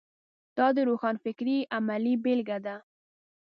دا د روښانفکرۍ عملي بېلګه ده.